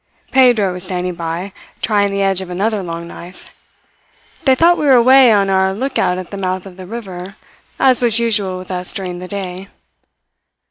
Pedro was standing by, trying the edge of another long knife. They thought we were away on our lookout at the mouth of the river, as was usual with us during the day.